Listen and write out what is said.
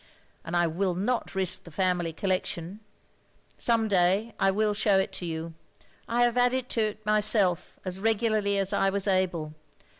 And I will not risk the family collection. Some day I will show it to you. I have added to it myself, as regularly as I was able."